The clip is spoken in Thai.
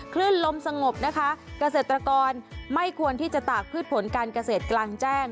คลื่นลมสงบนะคะเกษตรกรไม่ควรที่จะตากพืชผลการเกษตรกลางแจ้ง